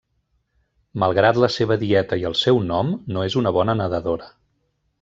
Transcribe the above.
Malgrat la seva dieta i el seu nom, no és una bona nedadora.